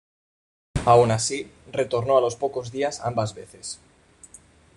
Aun así, retornó a los pocos días ambas veces.